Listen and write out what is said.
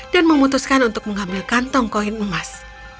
dan memutuskan untuk mengambil kantung koin emas